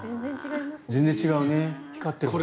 全然違うね、光ってるね。